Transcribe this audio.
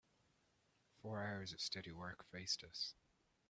Four hours of steady work faced us.